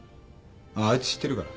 あいつ知ってるから。